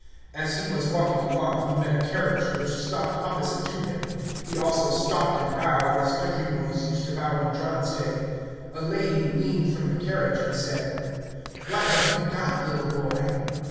As he was walking along he met a carriage, which stopped opposite to him; he also stopped and bowed, as country boys used to bow in John's day. A lady leaned from the carriage, and said: "What have you got, little boy?"